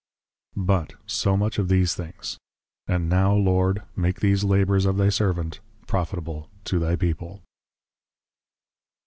But, so much of these things; And, now, _Lord, make these Labours of thy Servant, Profitable to thy People.